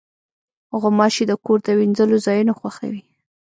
غوماشې د کور د وینځلو ځایونه خوښوي.